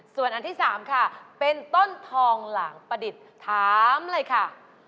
ส่วนอันที่๓ค่ะเป็นต้นทองหลางประดิษฐ์ถามเลยค่ะ